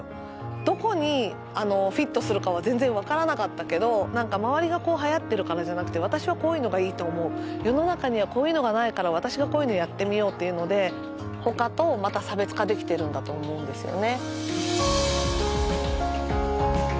どこにフィットするかは全然分からなかったけどなんか周りがこうはやってるからじゃなくて私はこういうのがいいと思う世の中にはこういうのがないから私がこういうのやってみようっていうのでほかとまた差別化できてるんだと思うんですよね